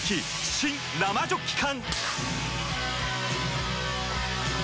新・生ジョッキ缶！